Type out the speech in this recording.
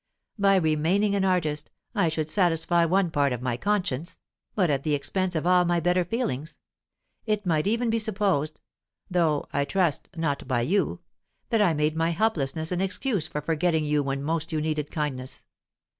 By remaining an artist, I should satisfy one part of my conscience, but at the expense of all my better feelings; it might even be supposed though, I trust, not by you that I made my helplessness an excuse for forgetting you when most you needed kindness.